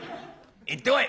行ってこい」。